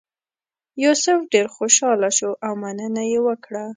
یوسف ډېر خوشاله شو او مننه یې وکړه.